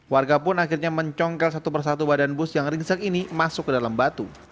warga pun akhirnya mencongkel satu persatu badan bus yang ringsek ini masuk ke dalam batu